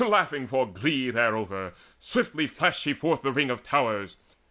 Laughing for glee Thereover, swiftly flashed she forth the ring Of towers.